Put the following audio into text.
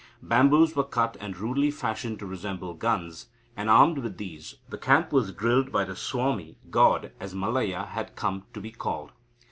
Bamboos were cut, and rudely fashioned to resemble guns, and, armed with these, the camp was drilled by the Swami (god), as Mallayya had come to be called.